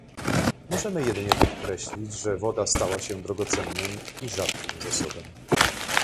Możemy jedynie podkreślić, że woda stała się drogocennym i rzadkim zasobem